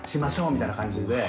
みたいな感じで。